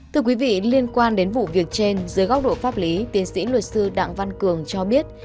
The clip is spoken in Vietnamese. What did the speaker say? thưa quý vị liên quan đến vụ việc trên dưới góc độ pháp lý tiến sĩ luật sư đặng văn cường cho biết